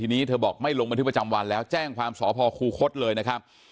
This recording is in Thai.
ทีนี้เธอบอกไม่ลงบันทึกประจำวันแล้วแจ้งความสพคูคศเลยนะครับ